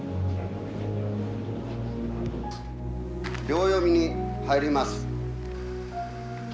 秒読みに入ります。